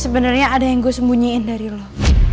sebenarnya ada yang gue sembunyiin dari lo